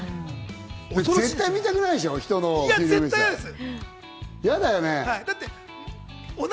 絶対見たくないでしょ、人の給与明細。